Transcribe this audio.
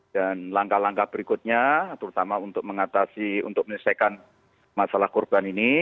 dan langkah langkah berikutnya terutama untuk menyesuaikan masalah korban ini